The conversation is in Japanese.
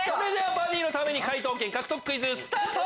バディのために解答権獲得クイズスタート！